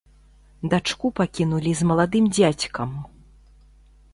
Дачку пакінулі з маладым дзядзькам.